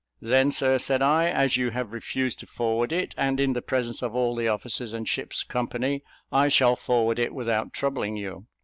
"Then, Sir," said I, "as you have refused to forward it, and in the presence of all the officers and ship's company, I shall forward it without troubling you."